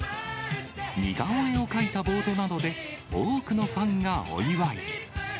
似顔絵を描いたボードなどで多くのファンがお祝い。